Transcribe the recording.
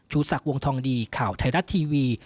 สักวงทองดีข่าวไทยรัฐทีวี